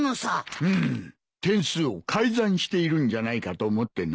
うん点数を改ざんしているんじゃないかと思ってな。